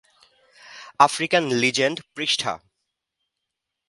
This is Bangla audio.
আফ্রিকান লিজেন্ড পৃষ্ঠা